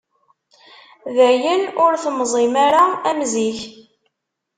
Dayen, ur temẓim ara am zik.